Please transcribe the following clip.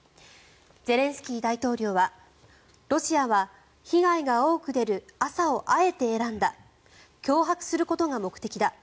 ゼレンスキー大統領はロシアは被害が多く出る朝をあえて選んだ脅迫することが目的だ